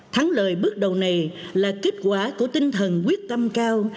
thắng lời bước đầu này là kết quả của tinh thần quyết tâm cao